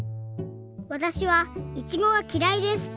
「わたしはいちごがきらいです。